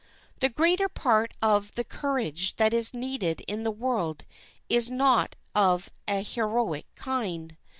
The greater part of the courage that is needed in the world is not of an heroic kind.